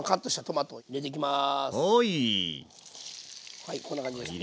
はいこんな感じですね。